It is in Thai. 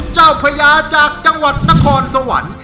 พญาจากจังหวัดนครสวรรค์